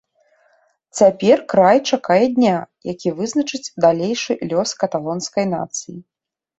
Цяпер край чакае дня, які вызначыць далейшы лёс каталонскай нацыі.